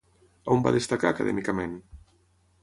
On va destacar acadèmicament?